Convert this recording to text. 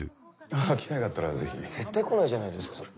あ機会があったらぜひ。絶対来ないじゃないですかそれ。